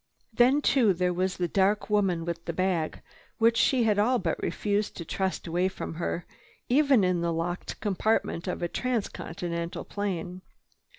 Then too there was the dark woman with the bag which she had all but refused to trust away from her, even in the locked compartment of a trans continental plane.